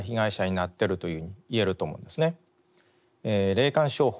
霊感商法